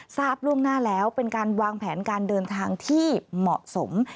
ทราบล่วงหน้าแล้วเป็นการวางแผนการเดินทางที่เหมาะสม